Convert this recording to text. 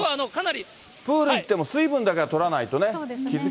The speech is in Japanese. プール行っても、水分だけは取らないとね。